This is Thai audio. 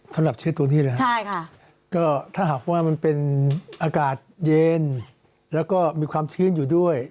สำหรับชื้นตัวนี้หรือครับถ้าหากว่ามันเป็นอากาศเย็นแล้วก็มีความชื้นอยู่ด้วย